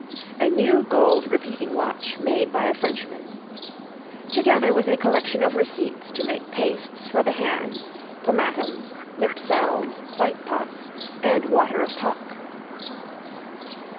A new Gold Repeating Watch made by a Frenchman. Together with a Collection of Receipts to make Pastes for the Hands, Pomatums, Lip Salves, White Pots, and Water of Talk.